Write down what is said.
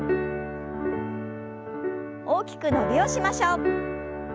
大きく伸びをしましょう。